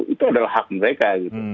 itu adalah hak mereka